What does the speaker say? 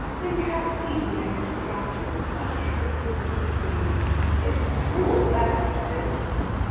Think how easy I could have dropped him, with such a short distance between. It's cruel, that's what it is!"